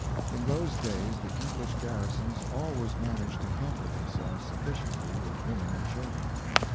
In those days the English garrisons always managed to hamper themselves sufficiently with women and children.